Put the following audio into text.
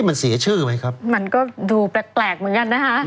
มันเสียชื่อไหมครับมันก็ดูแปลกแปลกเหมือนกันนะคะ